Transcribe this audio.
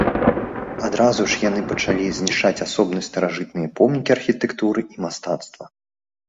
Адразу ж яны пачалі знішчаць асобныя старажытныя помнікі архітэктуры і мастацтва.